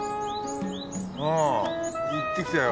うん行ってきたよ。